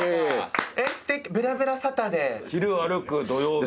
『ぶらぶらサタデー』昼歩く土曜日。